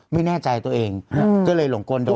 ไม่แน่ใจตัวเองก็เลยหลงกลด้วย